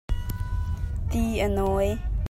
Ti a nawi.